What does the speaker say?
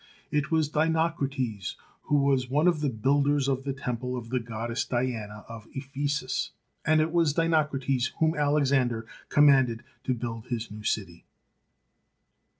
It was Dinocrates who was one of the builders of the temple of the goddess Diana of Ephesus, and it was Dinocrates whom Alexander commanded to build his new city.